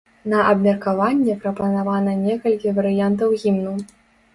На абмеркаванне прапанавана некалькі варыянтаў гімну.